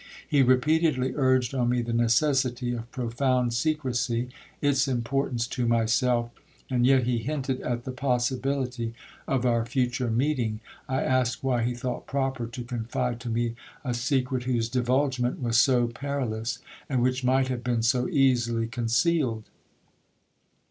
He repeatedly urged on me the necessity of profound secresy, its importance to myself, and yet he hinted at the possibility of our future meeting, I asked why he thought proper to confide to me a secret whose divulgement was so perilous, and which might have been so easily concealed?